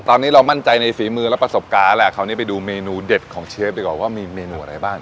ตอนนี้เรามั่นใจในฝีมือและประสบการณ์แล้วแหละคราวนี้ไปดูเมนูเด็ดของเชฟดีกว่าว่ามีเมนูอะไรบ้าง